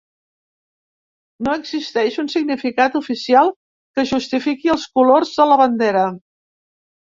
No existeix un significat oficial que justifiqui els colors de la bandera.